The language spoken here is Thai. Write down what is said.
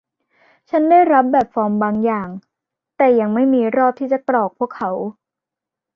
ฉันได้รับแบบฟอร์มบางอย่าง แต่ยังไม่มีรอบที่จะกรอกพวกเขา